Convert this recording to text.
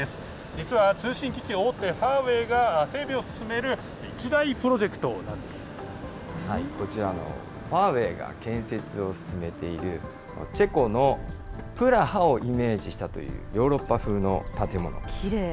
実は通信機器大手、ファーウェイが整備を進める一大プロジェクトこちら、ファーウェイが建設を進めている、チェコのプラハをイメージしたというヨーロッパ風きれい。